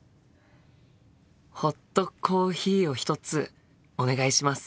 ホットコーヒーを１つお願いします。